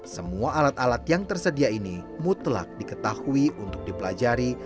semua alat alat yang tersedia ini mutlak diketahui untuk dipelajari